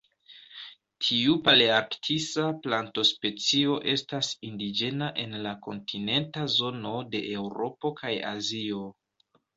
Tiu palearktisa plantospecio estas indiĝena en la kontinenta zono de Eŭropo kaj Azio.